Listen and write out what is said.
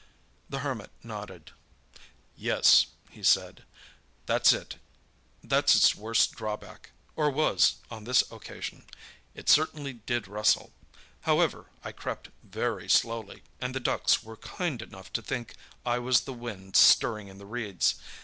The Hermit nodded. "Yes," he said, "that's its worst drawback, or was, on this occasion. It certainly did rustle; however, I crept very slowly, and the ducks were kind enough to think I was the wind stirring in the reeds.